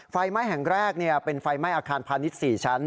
ไฟไหม้แห่งแรกเป็นไฟไหม้อาคารพาณิชย์๔ชั้น